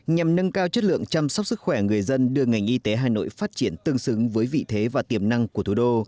nhằm nâng cao chất lượng chăm sóc sức khỏe người dân đưa ngành y tế hà nội phát triển tương xứng với vị thế và tiềm năng của thủ đô